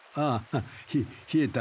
ひ冷えた